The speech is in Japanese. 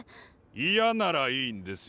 嫌ならいいんですよ。